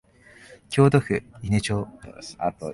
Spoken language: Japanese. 京都府伊根町